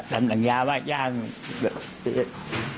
ถามสัญญาว่าขายผงกล้าเทต